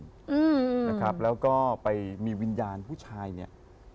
ด่าครับแล้วก็ไปมีวิญญาณพุนชายเนี่ย